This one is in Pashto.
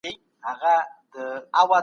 موږ بايد د مينې او مينې تخم وکرو.